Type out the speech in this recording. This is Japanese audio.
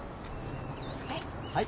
はい。